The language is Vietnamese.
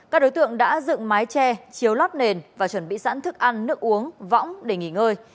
các đối tượng đã dựng mái tre chiếu lót nền và chuẩn bị sẵn thức ăn nước uống võng để nghỉ ngơi